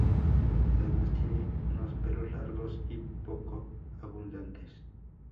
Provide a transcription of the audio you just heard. Además tienen unos pelos largos y poco abundantes.